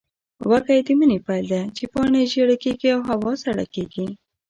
وږی د مني پیل دی، چې پاڼې ژېړې کېږي او هوا سړه کېږي.